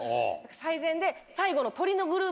最前で最後の。